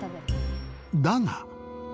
だが。